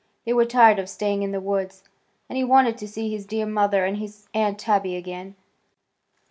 They were tired of staying in the woods, and he wanted to see his dear mother and his Aunt Tabby again.